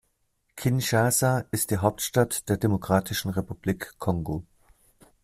Kinshasa ist die Hauptstadt der Demokratischen Republik Kongo.